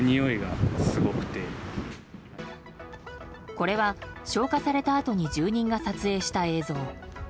これは、消火されたあとに住人が撮影した映像。